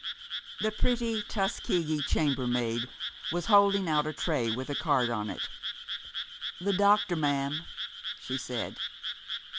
The pretty Tuskegee chambermaid was holding out a tray with a card on it. "The doctor, ma'am," she said.